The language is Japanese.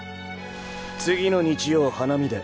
次の日曜花見で。